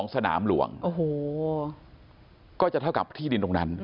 ๕๒สนามหลวงก็จะเท่ากับที่ดินตรงนั้น